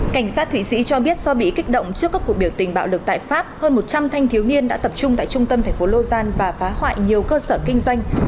cảnh sát thụy sĩ cho biết do bị kích động trước các cuộc biểu tình bạo lực tại pháp hơn một trăm linh thanh thiếu niên đã tập trung tại trung tâm thành phố logal và phá hoại nhiều cơ sở kinh doanh